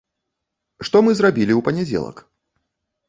Што мы зрабілі ў панядзелак?